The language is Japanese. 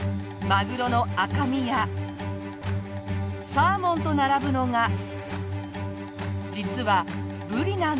マグロの赤身やサーモンと並ぶのが実はブリなんです。